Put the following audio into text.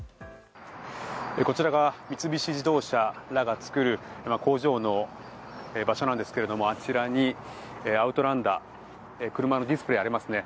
こちらが三菱自動車らが作る工場の場所なんですがあちらにアウトランダー車のディスプレーがありますね。